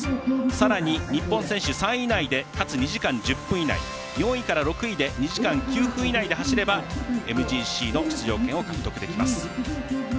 さらに、日本選手３位以内かつ２時間１０分以内４位から６位で２時間９分以内に走ればＭＧＣの出場権を獲得できます。